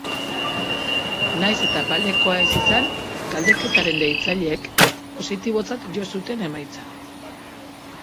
Nahiz eta balekoa ez izan, galdeketaren deitzaileek positibotzat jo zuten emaitza.